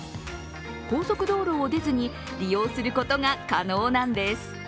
高速道路を出ずに利用することが可能なんです。